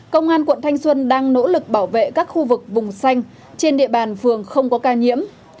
công an quận thanh xuân đang nỗ lực bảo vệ các khu vực vùng xanh trên địa bàn phường không có ca nhiễm